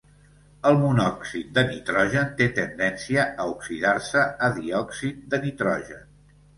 El monòxid de nitrogen té tendència a oxidar-se a diòxid de nitrogen.